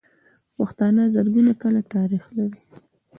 پښتانه زرګونه کاله تاريخ لري.